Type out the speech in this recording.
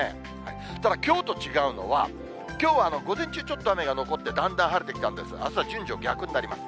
ただきょうと違うのは、きょうは午前中、ちょっと雨が残って、だんだん晴れてきたんですが、あすは順序、逆になります。